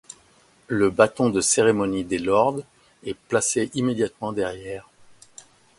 Le bâton de cérémonie des lords est placé immédiatement derrière.